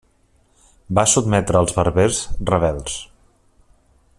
Va sotmetre als berbers rebels.